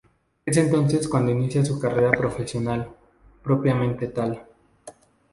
Es entonces cuando inicia su carrera profesional, propiamente tal.